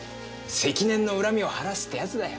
積年の恨みを晴らすってやつだよ。